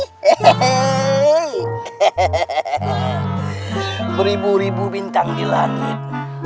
hehehe beribu ribu bintang di langit